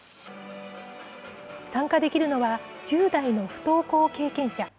参加できるのは、１０代の不登校経験者。